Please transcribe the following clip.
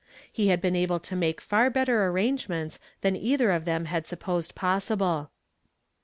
He J ad been able to mals'' far better arrangements than either of them had supposed possible.